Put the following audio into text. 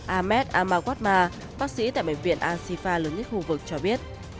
ahmed amagwatma bác sĩ tại bệnh viện al sifa lớn nhất khu vực cho biết